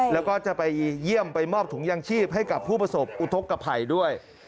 แล้วก็จะไปเยี่ยมไปมอบถุงยางชีพให้กับผู้ประสบอุทธกภัยด้วย